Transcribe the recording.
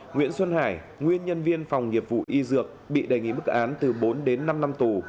nguyễn xuân hải nguyên nhân viên phòng nghiệp vụ y dược bị đề nghị mức án từ bốn đến năm năm tù